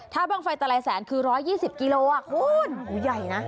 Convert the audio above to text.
ถ้าบ้างไฟตะไลแสนคือ๑๒๐กิโลกรัมโอ้ยใหญ่นะ